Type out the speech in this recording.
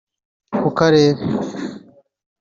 ku karere